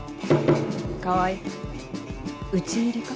川合討ち入りか？